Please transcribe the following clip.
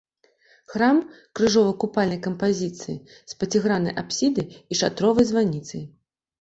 Храм крыжова-купальнай кампазіцыі з пяціграннай апсідай і шатровай званіцай.